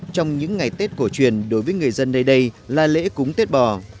trong những ngày tết cổ truyền đối với người dân nơi đây là lễ cúng tết bò